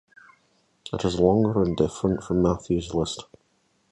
It is longer and different from Matthew's list.